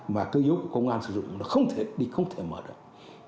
mà cơ yếu của công an sử dụng nó không thể đi không thể mở được